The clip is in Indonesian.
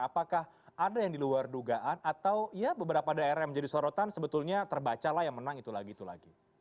apakah ada yang diluar dugaan atau ya beberapa daerah yang menjadi sorotan sebetulnya terbacalah yang menang itu lagi itu lagi